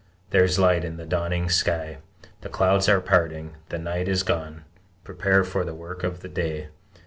There's light in the dawning sky: The clouds are parting, the night is gone: Prepare for the work of the day!